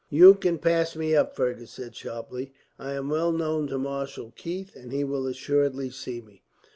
"You can pass me up," Fergus said sharply. "I am well known to Marshal Keith, and he will assuredly see me."